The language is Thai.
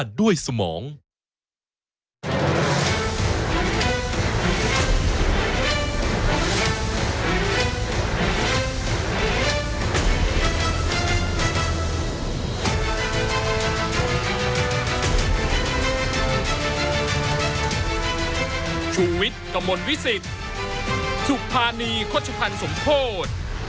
ชูเวทกระมวลวิสิทธิ์สุภาณีข้ดชุภัณฑ์สมโทษ